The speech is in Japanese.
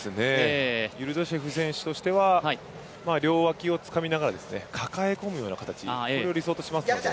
ユルドシェフ選手としては両脇をつかみながら抱え込む形、これを理想としていますね。